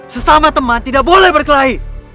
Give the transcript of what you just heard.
sesama teman tidak boleh berkelahi